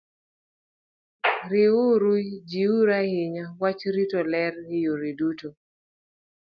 Riwruogno jiwo ahinya wach rito ler e yore duto.